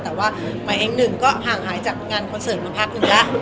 แต่ว่าหมายเองหนึ่งก็ห่างหายจากงานคอนเสิร์ตมาพักนึงแล้ว